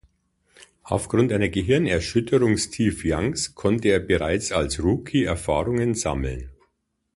Aufgrund einer Gehirnerschütterung Steve Youngs konnte er bereits als Rookie Erfahrungen sammeln.